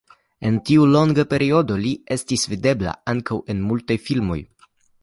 En tiu longa periodo li estis videbla ankaŭ en mutaj filmoj.